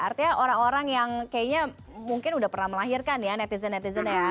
artinya orang orang yang kayaknya mungkin udah pernah melahirkan ya netizen netizen ya